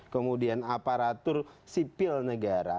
kemudian aparatur sipil negara